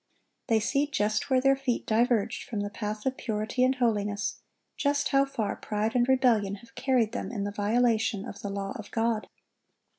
They see just where their feet diverged from the path of purity and holiness, just how far pride and rebellion have carried them in the violation of the law of God.